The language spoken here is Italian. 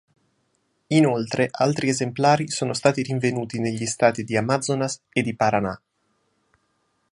Inoltre altri esemplari sono stati rinvenuti negli stati di Amazonas e di Paraná.